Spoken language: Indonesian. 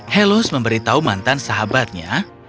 helos memberitahu mantan sahabatnya